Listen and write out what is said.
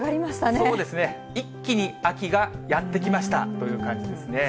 そうですね、一気に秋がやって来ましたという感じですね。